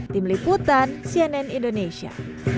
tim liputan cnn indonesia